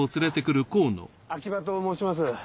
秋葉と申します。